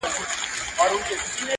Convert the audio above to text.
• زړه به دي سوړ سي قحطی وهلی -